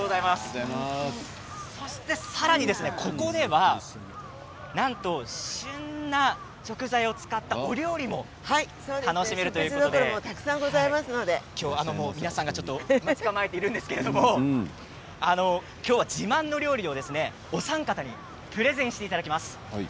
そしてさらにここではなんと旬の食材を使ったお料理も食事どころもたくさんございますので皆さんが待ち構えているんですけど今日は自慢の料理、お三方にプレゼンしていただきます。